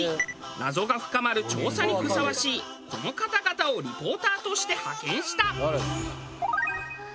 謎が深まる調査にふさわしいこの方々をリポーターとして派遣した。